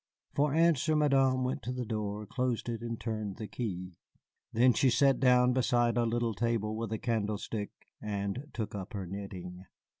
For answer Madame went to the door, closed it, and turned the key. Then she sat down beside a little table with a candlestick and took up her knitting.